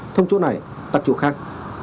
thông chỗ này tắt chỗ khác